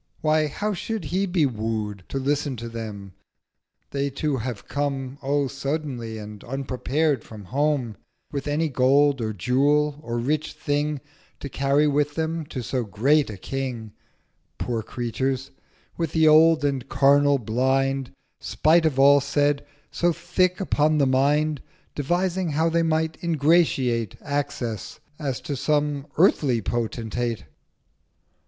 Why how should he be woo'd To listen to them? they too have come 1030 O So suddenly, and unprepared from home With any Gold, or Jewel, or rich Thing To carry with them to so great a King— Poor Creatures! with the old and carnal Blind, Spite of all said, so thick upon the Mind, Devising how they might ingratiate Access, as to some earthly Potentate.